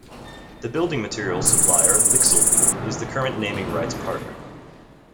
The building materials supplier Lixil Group is the current naming rights partner.